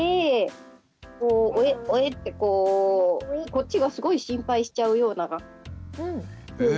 こっちがすごい心配しちゃうような。